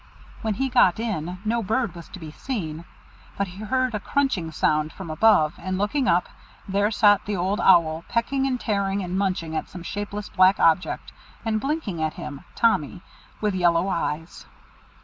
When he got in, no bird was to be seen, but he heard a crunching sound from above, and looking up, there sat the Old Owl, pecking and tearing and munching at some shapeless black object, and blinking at him Tommy with yellow eyes.